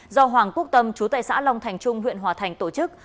do hoàng quốc tâm chú tại xã long thành trung huyện hòa thành tổ chức